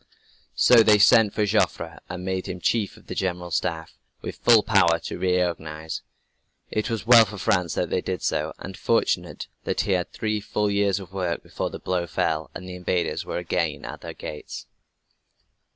So they sent for Joffre and made him chief of the General Staff, with full power to reorganize. It was well for France that they did so, and fortunate that he had three full years to work before the blow fell, and the invaders were again at their gates.